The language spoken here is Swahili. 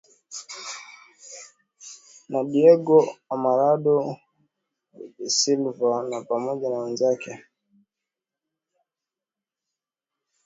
na Diego Armando da Silva na pamoja na wenzake